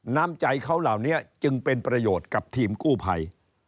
น้ำใจเขาเหล่านี้จึงเป็นประโยชน์กับทีมกู้ภัย